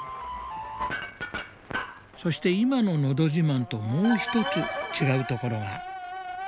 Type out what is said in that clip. そして今の「のど自慢」ともう一つ違うところが。